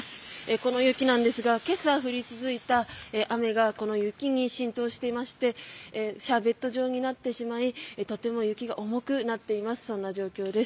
この雪なんですが今朝降り続いた雨がこの雪に浸透していましてシャーベット状になってしまいとても雪が重くなっています。